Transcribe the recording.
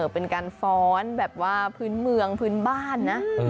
เป็นการฟ้อนแบบว่าพื้นเมืองพื้นบ้านนะ